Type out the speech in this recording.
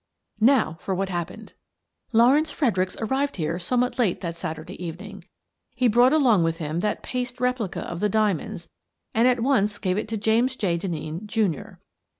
"Now for what happened: Lawrence Fred ericks arrived here somewhat late that Saturday evening. He bro u ght along with him that paste replica of the diamonds and at once gave it to James J. Deimeen, Jr.